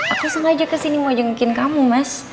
aku sengaja kesini mau jengukin kamu mas